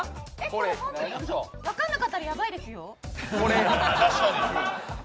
これ本当に、分からなかったらやばいですよ。